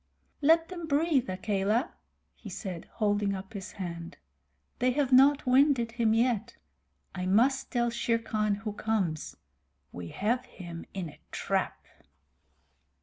"Let them breathe, Akela," he said, holding up his hand. "They have not winded him yet. Let them breathe. I must tell Shere Khan who comes. We have him in the trap."